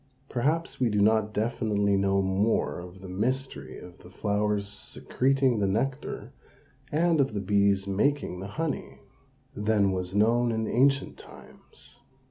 Perhaps we do not definitely know more of the mystery of the flower's secreting the nectar, and of the bee's making the honey, than was known in ancient times.